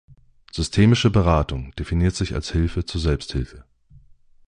Systemische Beratung definiert sich als Hilfe zur Selbsthilfe.